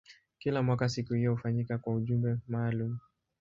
Kila mwaka siku hiyo hufanyika kwa ujumbe maalumu.